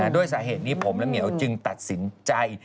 ด้วยสาเหตุนี้ผมและเหมียวจึงตัดสินใจ